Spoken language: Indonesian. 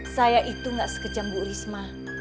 saya itu gak sekejam bu risma